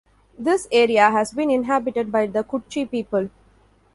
This area has been inhabited by the Kutchi people.